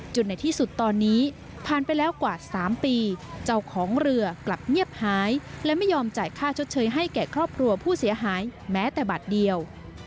ในที่สุดตอนนี้ผ่านไปแล้วกว่า๓ปีเจ้าของเรือกลับเงียบหายและไม่ยอมจ่ายค่าชดเชยให้แก่ครอบครัวผู้เสียหายแม้แต่บาทเดียว